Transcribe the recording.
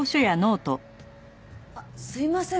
あっすいません